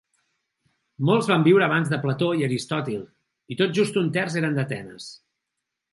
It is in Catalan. Molts van viure abans de Plató i Aristòtil, i tot just un terç eren d'Atenes.